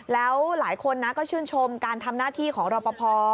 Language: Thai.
แล้วหลายคนนะก็ชื่นชมการทำหน้าที่ของรอปภ